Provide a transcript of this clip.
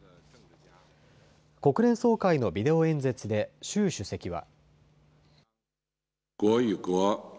国連総会のビデオ演説で習主席は。